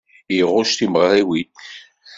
Iɣucc timeɣriwin.